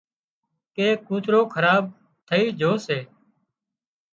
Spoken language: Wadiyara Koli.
ڪي ڪوتروخراب ٿئي جھو سي